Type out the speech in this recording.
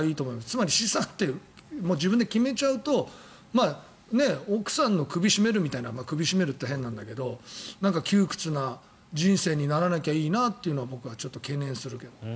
つまり資産って自分で決めちゃうと奥さんの首を絞めるというか首を絞めるって変なんだけど窮屈な人生にならなきゃいいなというのは僕はちょっと懸念するけど。